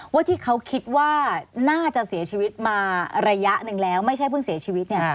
ว่าที่เขาคิดว่าน่าจะเสียชีวิตมาระยะหนึ่งแล้วไม่ใช่เพิ่งเสียชีวิตเนี่ย